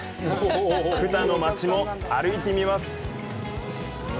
クタの街も歩いてみます。